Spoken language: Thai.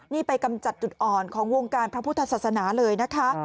นี่ไปกำจัดจุดอ่อนของวงการพระพุทธศาสนาเลยนะคะ